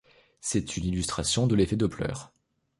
C'est une illustration de l'effet Doppler.